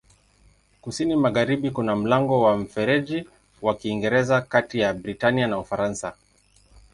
Kusini-magharibi kuna mlango wa Mfereji wa Kiingereza kati ya Britania na Ufaransa.